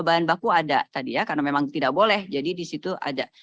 bahan baku ada tadi ya karena memang tidak boleh jadi di situ ada